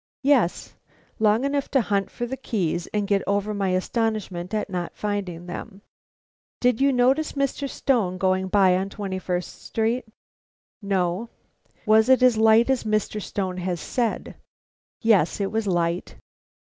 "Yes; long enough to hunt for the keys and get over my astonishment at not finding them." "Did you notice Mr. Stone going by on Twenty first Street?" "No." "Was it as light as Mr. Stone has said?" "Yes, it was light."